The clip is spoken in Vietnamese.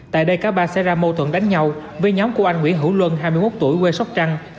tại đây cả ba xảy ra mâu thuẫn đánh nhau với nhóm của anh nguyễn hữu luân hai mươi một tuổi quê sóc trăng